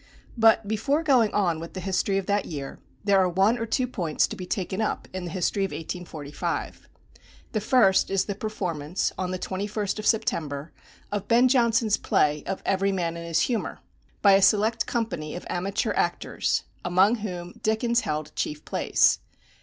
But before going on with the history of that year, there are one or two points to be taken up in the history of 1845. The first is the performance, on the 21st of September, of Ben Jonson's play of "Every Man in his Humour," by a select company of amateur actors, among whom Dickens held chief place.